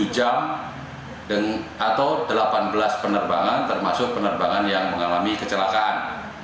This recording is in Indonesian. tujuh jam atau delapan belas penerbangan termasuk penerbangan yang mengalami kecelakaan